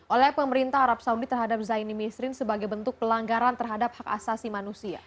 oleh pemerintah arab saudi terhadap zaini misrin sebagai bentuk pelanggaran terhadap hak asasi manusia